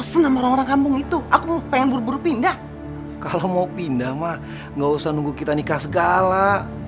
jangan jangan ini peninggalan mendiang orang tuanya